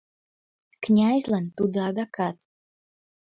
Князьлан тудо адакат